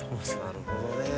なるほどね。